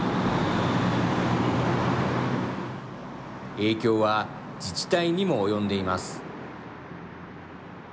影響は自治体にも及んでいます。